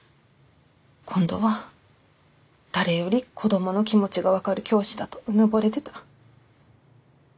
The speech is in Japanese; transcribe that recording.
今度は誰より子供の気持ちが分かる教師だとうぬぼれてた。